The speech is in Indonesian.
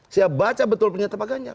saya baca betul pernyataan pak ganjar